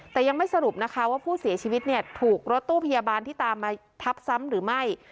แต่ยังไม่สรุปนะคะว่าผู้เสียชีวิตเนี่ยถูกรถตู้พยาบาลที่ตามมาทับซ้ำหรือไม่